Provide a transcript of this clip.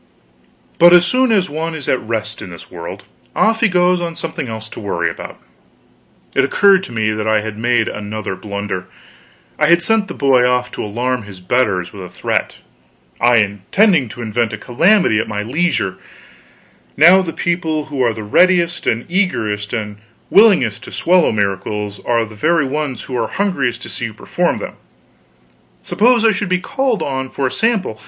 But as soon as one is at rest, in this world, off he goes on something else to worry about. It occurred to me that I had made another blunder: I had sent the boy off to alarm his betters with a threat I intending to invent a calamity at my leisure; now the people who are the readiest and eagerest and willingest to swallow miracles are the very ones who are hungriest to see you perform them; suppose I should be called on for a sample?